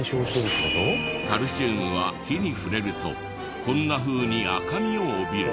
カルシウムは火に触れるとこんなふうに赤みを帯びる。